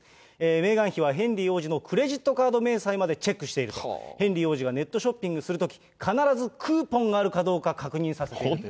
メーガン妃はヘンリー王子のクレジットカード明細までチェックしていると、ヘンリー王子がネットショッピングするとき、必ずクーポンがあるかどうか確認させていると。